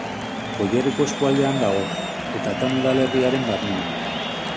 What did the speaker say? Goierriko eskualdean dago, eta Ataun udalerriaren barnean.